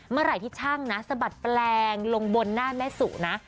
เมื่อไหร่ที่ช่างนะสะบัดแปลงลงบนหน้าแม่สุนะ